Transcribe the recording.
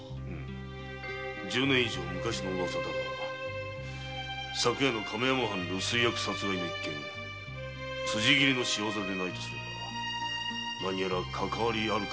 十年以上昔のウワサだが昨夜の亀山藩留守居役殺害の一件も辻斬りの仕業でないとすれば何やらかかわりがあるやもしれぬと思ってな。